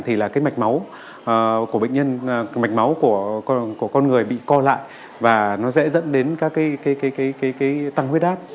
thì mạch máu của con người bị co lại và nó sẽ dẫn đến tăng huyết áp